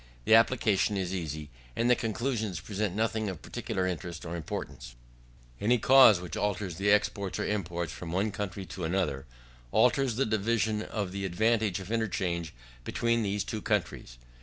The application is easy, and the conclusions present nothing of particular interest or importance. 6. Any cause which alters the exports or imports from one country into another, alters the division of the advantage of interchange between those two countries.